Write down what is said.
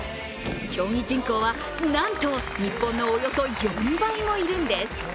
競技人口は、なんと日本のおよそ４倍もいるんです。